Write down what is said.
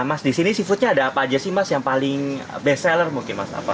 maksudnya ada apa aja sih mas yang paling best seller mungkin mas